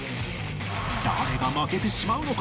誰が負けてしまうのか？